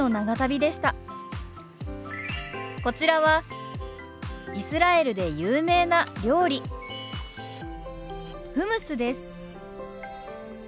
こちらはイスラエルで有名な料理フムスです。